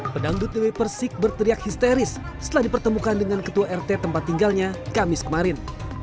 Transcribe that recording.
pedangdut dewi persik berteriak histeris setelah dipertemukan dengan ketua rt tempat tinggalnya kamis kemarin